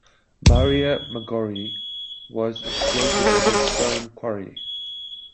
Maria Maggiore was exploited as a stone quarry.